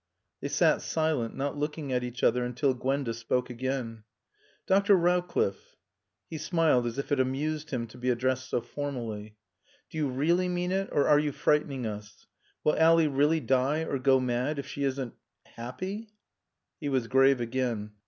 They sat silent, not looking at each other, until Gwenda spoke again. "Dr. Rowcliffe " He smiled as if it amused him to be addressed so formally. "Do you really mean it, or are you frightening us? Will Ally really die or go mad if she isn't happy?" He was grave again.